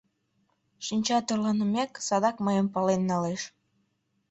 Шинча тӧрланымек, садак мыйым пален налеш».